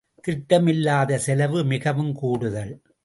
திட்டமிலாத செலவு மிகவும் கூடுதல்.